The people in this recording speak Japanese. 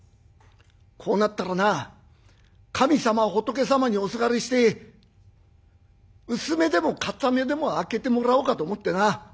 こうなったらな神様仏様におすがりして薄目でも片目でも明けてもらおうかと思ってな。